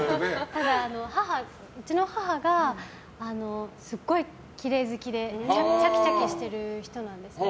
ただ、うちの母がすごいきれい好きでちゃきちゃきしてる人なんですよ。